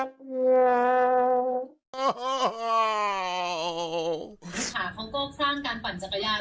ขาเขาก็สร้างการปั่นจักรยาน